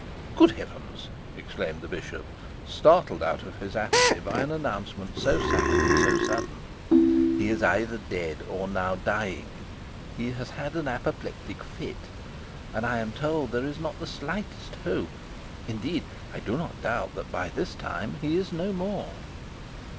'Good heavens,' exclaimed the bishop, startled out of his apathy by an announcement so sad and so sudden. 'He is either dead or now dying. He has had an apoplectic fit, and I am told that there is not the slightest hope; indeed, I do not doubt that by this time he is no more.'